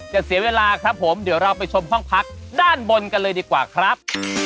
เสียเวลาครับผมเดี๋ยวเราไปชมห้องพักด้านบนกันเลยดีกว่าครับ